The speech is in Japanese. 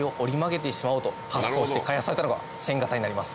と発想して開発されたのが１０００形になります。